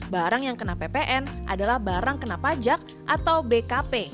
barang yang kena ppn adalah barang kena pajak atau bkp